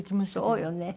そうよね。